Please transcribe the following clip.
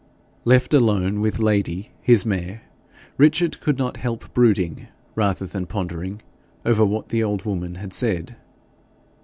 Left alone with Lady, his mare, Richard could not help brooding rather than pondering over what the old woman had said.